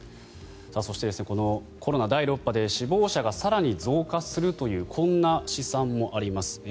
そしてこのコロナ第６波で死亡者が更に増加するというこんな試算もあります。